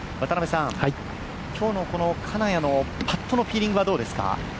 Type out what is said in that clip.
今日の金谷のパットのフィーリングはどうですか。